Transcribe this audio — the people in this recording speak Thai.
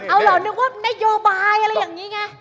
เอาเหรอนึกว่านโยบายอะไรอย่างนี้ไง